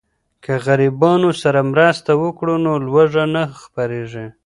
که غریبانو سره مرسته وکړو نو لوږه نه خپریږي.